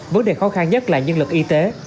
vấn đề khó khăn nhất là nhân lực y tế